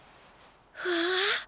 わあ。